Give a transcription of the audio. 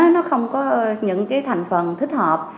nó không có những cái thành phần thích hợp